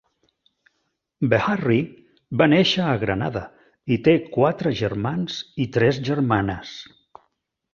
Beharry va néixer a Granada, i té quatre germans i tres germanes.